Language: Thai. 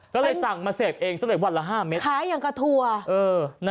ก็เลยสั่งมาเสพเองเสร็จวันละ๕เมตร